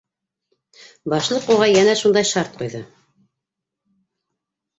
Башлыҡ уға йәнә шундай шарт ҡуйҙы: